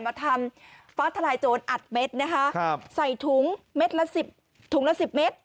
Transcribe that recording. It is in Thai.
มาทำฟ้าไทยโจรอัดเม็ดใส่ถุงละ๑๐เม็ด